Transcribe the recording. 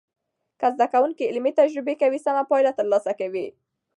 که زده کوونکي علمي تجربه کوي، سمه پایله تر لاسه کوي.